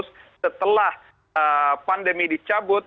setelah pandemi dicabut